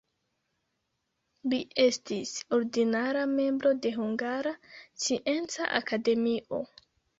Li estis ordinara membro de Hungara Scienca Akademio.